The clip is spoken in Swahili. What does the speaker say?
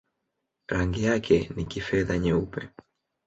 Rangi yake ni kifedha-nyeupe.